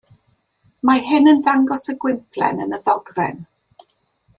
Mae hyn yn dangos y gwymplen yn y ddogfen.